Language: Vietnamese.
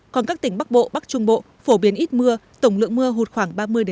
còn các tỉnh bắc bộ bắc trung bộ phổ biến ít mưa tổng lượng mưa hụt khoảng ba mươi